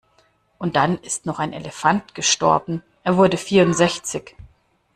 Und dann ist noch ein Elefant gestorben, er wurde vierundsechzig.